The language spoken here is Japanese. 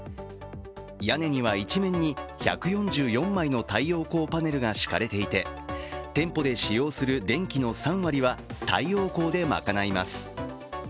屋根には一面に１４４枚の太陽光パネルが敷かれていて、店舗で使用する電気の３割は太陽光で賄います。